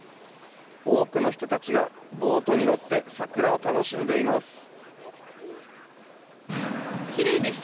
多くの人たちがボートに乗って桜を楽しんでいます。